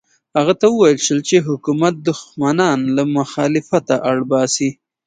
هغه ته وویل شول چې حکومت دښمنان له مخالفته اړ باسي.